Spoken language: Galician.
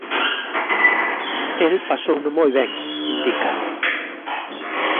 "El pasouno moi ben", indica.